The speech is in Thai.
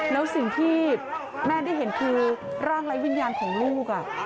แล้วสิ่งที่แม่ได้เห็นคือร่างไร้วิญญาณของลูก